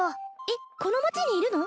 えっこの町にいるの？